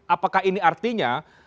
apakah ini artinya